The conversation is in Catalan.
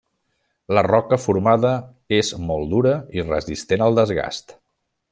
La roca formada és molt dura i resistent al desgast.